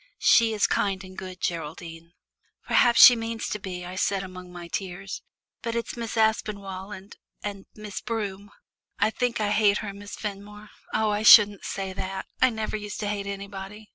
And she is kind and good, Geraldine." "P'raps she means to be," I said among my tears, "but it's Miss Aspinall and and Miss Broom. I think I hate her, Miss Fenmore. Oh, I shouldn't say that I never used to hate anybody.